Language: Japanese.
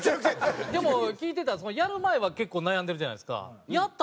でも聞いてたらやる前は結構悩んでるじゃないですか。